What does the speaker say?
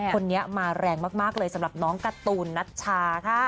คนนี้มาแรงมากเลยสำหรับน้องการ์ตูนนัชชาค่ะ